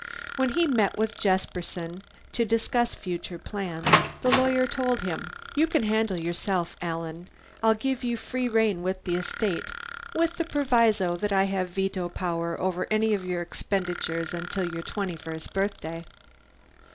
When he met with Jesperson to discuss future plans, the lawyer told him, "You can handle yourself, Alan. I'll give you free rein with the estate with the proviso that I have veto power over any of your expenditures until your twenty first birthday."